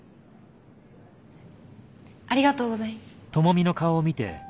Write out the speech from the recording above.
ありがとうござい。